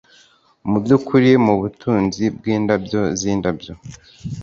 Mubyukuri mubutunzi bwindabyo zindabyo